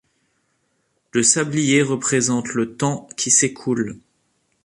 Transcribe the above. Le sablier représente le temps qui s'écoule.